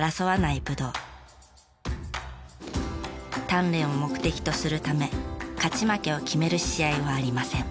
鍛錬を目的とするため勝ち負けを決める試合はありません。